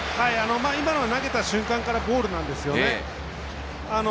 今のは投げた瞬間からボールなんですよね。